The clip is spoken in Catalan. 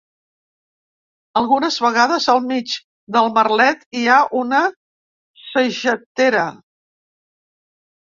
Algunes vegades al mig del merlet hi ha una sagetera.